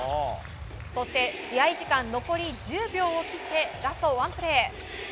そして試合時間残り１０秒を切ってラストワンプレー。